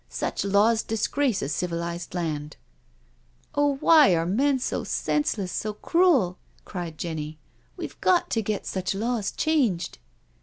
Such laws disgrace a civilised land I" "Oh, why are men so senseless, so cruel?" cried Jenny. " We've got to get such laws changed."